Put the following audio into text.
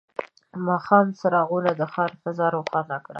د ماښام څراغونه د ښار فضا روښانه کړه.